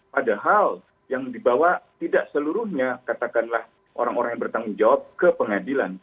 padahal yang dibawa tidak seluruhnya katakanlah orang orang yang bertanggung jawab ke pengadilan